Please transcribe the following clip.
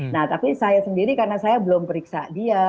nah tapi saya sendiri karena saya belum periksa dia